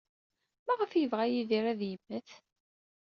Maɣef ay yebɣa Yidir ad yemmet?